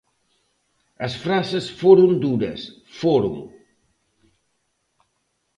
As frases foron duras, foron.